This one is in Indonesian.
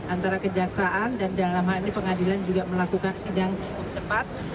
antara kejaksaan dan dalam hal ini pengadilan juga melakukan sidang cukup cepat